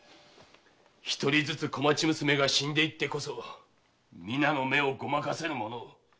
一人ずつ小町娘が死んでいってこそ皆の目をごまかせるものを。